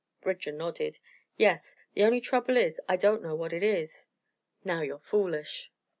Bridger nodded. "Yes. The only trouble is, I don't know what it is." "Now you're foolish!"